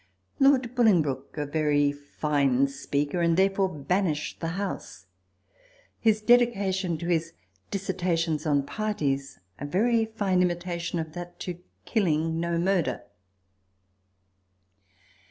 Lord Bolingbroke a very fine speaker, and there fore banished the house.* His Dedication to his Dissertations on parties, a very fine imitation of that to " Killing no Murder."